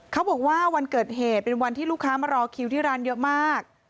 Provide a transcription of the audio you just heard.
เขาบอกว่าวันเกิดเหตุเป็นวันที่ลูกค้ามารอคิวที่ร้านเยอะมาก